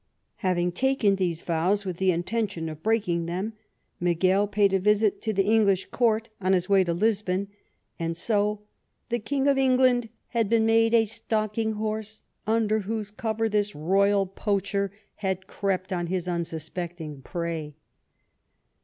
Having taken these vows with the intention of breaking them, Miguel paid a visit to the English court on his way to Lisbon, and so '' the King of England had been made a stalking horse under whose cover this royal poacher had crept on his un suspecting prey."